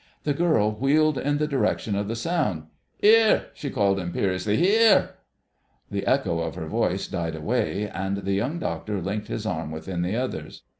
The girl wheeled in the direction of the sound. "'Ere!" she called imperiously, "'ere!..." The echo of her voice died away, and the Young Doctor linked his arm within the other's.